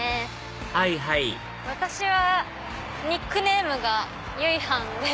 はいはい私はニックネームがゆいはんです。